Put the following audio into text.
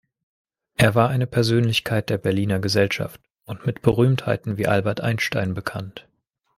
Er war eine Persönlichkeit der Berliner Gesellschaft und mit Berühmtheiten wie Albert Einstein bekannt.